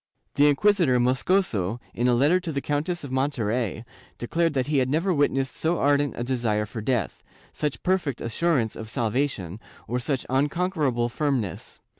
The inquisitor Moscoso, in a letter to the Countess of Monterey, declared that he had never witnessed so ardent a desire for death, such perfect assurance of salvation, or such unconquerable firmness.